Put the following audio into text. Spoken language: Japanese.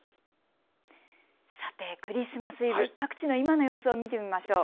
さてクリスマスイブ、各地の今の様子を見てみましょう。